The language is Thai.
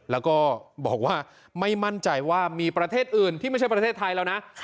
แล้วก็บอกว่าไม่มั่นใจว่ามีประเทศอื่นที่ไม่ใช่ประเทศไทยแล้วนะ